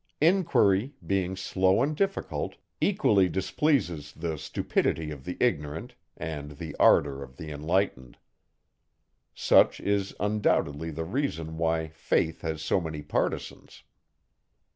Inquiry, being slow and difficult, equally, displeases the stupidity of the ignorant, and the ardour of the enlightened. Such is undoubtedly the reason why Faith has so many partisans.